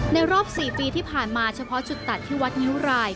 รอบ๔ปีที่ผ่านมาเฉพาะจุดตัดที่วัดงิ้วราย